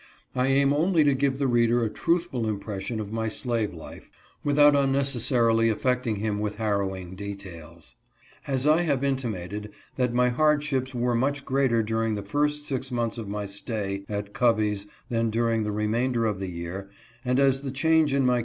I aim only to give the reader a truthful impression of my slave life, without unnecessarily affecting him with harrowing details. As I have intimated that my hardships were much greater during the first six months of my stay at Covey's than during the remainder of the year, and as the change in my.